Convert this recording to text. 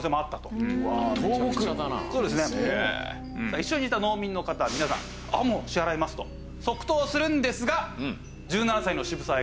一緒にいた農民の方は皆さんああもう支払いますと即答するんですが１７歳の渋沢栄一